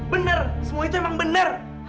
bener semua itu emang bener